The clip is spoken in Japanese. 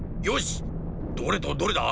どれとどれだ？